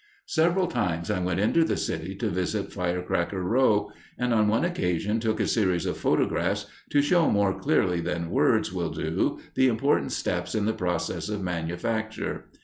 Several times I went into the city to visit Firecracker Row, and on one occasion took a series of photographs to show more clearly than words will do the important steps in the process of manufacture.